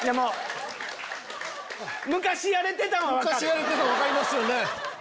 昔やれてたの分かりますよね！